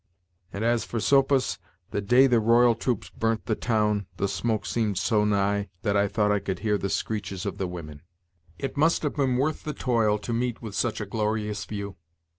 And as for 'Sopus, the day the royal troops burnt the town, the smoke seemed so nigh, that I thought I could hear the screeches of the women." "It must have been worth the toil to meet with such a glorious view."